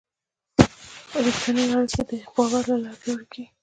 رښتونې اړیکه د باور له لارې پیاوړې کېږي.